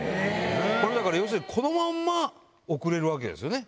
これ、だから要するにこのまんま送れるわけですよね。